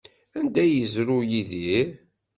Anda ay yezrew Yidir?